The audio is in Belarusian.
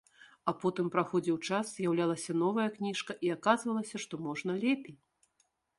А потым праходзіў час, з'яўлялася новая кніжка, і аказвалася, што можна лепей.